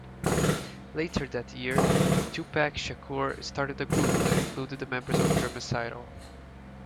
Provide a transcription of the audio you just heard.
Later that year, Tupac Shakur started a group that included the members of Dramacydal.